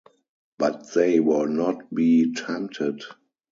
But they were not to be tempted.